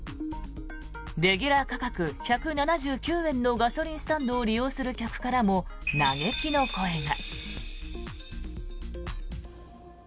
レギュラー価格１７９円のガソリンスタンドを利用する客からも嘆きの声が。